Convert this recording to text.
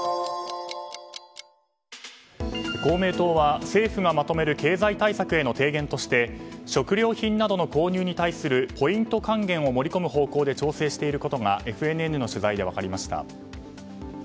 公明党は政府がまとめる経済対策への提言として食料品などの購入に対するポイント還元を盛り込む方向で調整していることがＦＮＮの取材で分かりました。